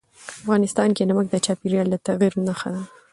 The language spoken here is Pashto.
افغانستان کې نمک د چاپېریال د تغیر نښه ده.